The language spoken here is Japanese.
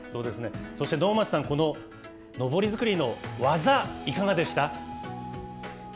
そして能町さん、こののぼり作りの技、いかがでした？